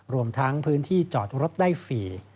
รวมทั้งพื้นที่จอดรถได้ฟรี